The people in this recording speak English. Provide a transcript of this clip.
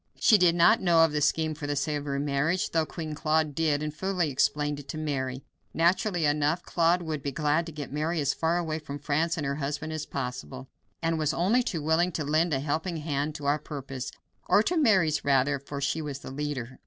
She did not know of the scheme for the Savoy marriage, though Queen Claude did, and fully explained it to Mary. Naturally enough, Claude would be glad to get Mary as far away from France and her husband as possible, and was only too willing to lend a helping hand to our purpose, or Mary's, rather, for she was the leader.